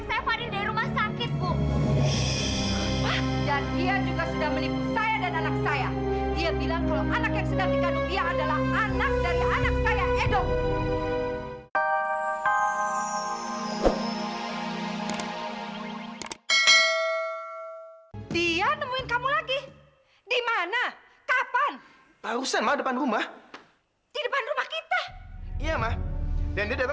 sampai jumpa di video selanjutnya